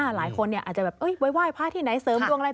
หลายคนอาจจะแบบไว้ไหว้พระที่ไหนเสริมดวงอะไร